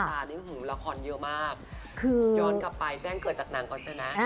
ตอนนี้ราครเยอะมากย้อนกลับไปแจ้งเกิดจากนางก่อนใช่มะ